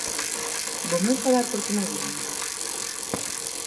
Voume enfadar porque mo digan?